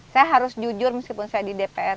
saya harus jujur meskipun saya di dpr